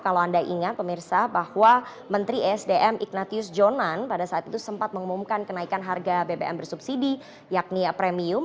kalau anda ingat pemirsa bahwa menteri sdm ignatius jonan pada saat itu sempat mengumumkan kenaikan harga bbm bersubsidi yakni premium